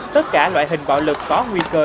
tất cả loại hình bạo lực có nguy cơ